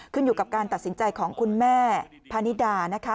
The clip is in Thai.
ขึ้นอยู่กับการตัดสินใจของคุณแม่พานิดานะคะ